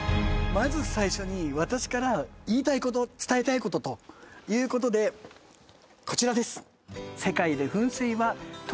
まず最初に私からいいたいこと伝えたいことということでこちらです